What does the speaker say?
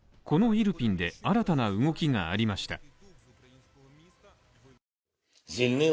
このイルピンで新たな動きがありました。